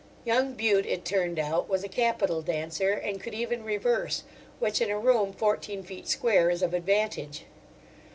Young Bute, it turned out, was a capital dancer, and could even reverse, which in a room fourteen feet square is of advantage.